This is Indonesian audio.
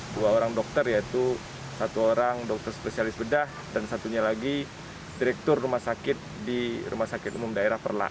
dua orang dokter yaitu satu orang dokter spesialis bedah dan satunya lagi direktur rumah sakit di rumah sakit umum daerah perlak